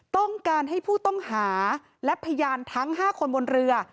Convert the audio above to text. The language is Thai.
ต้องการให้ผู้ต้องหาและพยานทั้ง๕คนบนเรือ